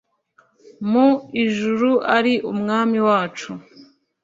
mu ijuru ari umwami wacu